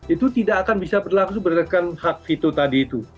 itu tidak akan bisa berlangsung berdasarkan hak vito tadi itu